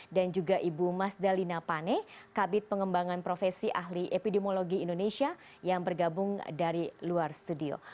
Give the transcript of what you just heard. dan juga ibu mas dalina pane kabit pengembangan profesi ahli epidemiologi indonesia yang bergabung dari luar studio